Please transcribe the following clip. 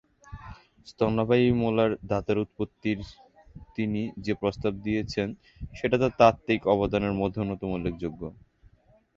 স্তন্যপায়ী মোলার দাঁতের উৎপত্তির তিনি যে প্রস্তাব দিয়েছিলেন সেটা তার তাত্ত্বিক অবদানের মধ্যে অন্যতম উল্লেখযোগ্য।